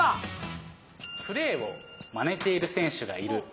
プレーをまねている選手がいる。